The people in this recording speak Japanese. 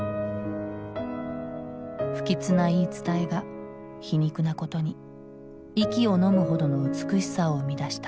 不吉な言い伝えが皮肉なことに息をのむほどの美しさを生み出した。